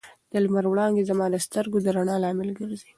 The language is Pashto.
د لمر وړانګې زما د سترګو د رڼا لامل ګرځي.